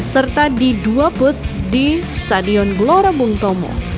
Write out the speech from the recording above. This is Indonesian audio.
serta di dua booth di stadion gelora bung tomo